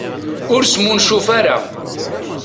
Ur smuncuf ara.